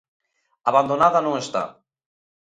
Abandonada non está.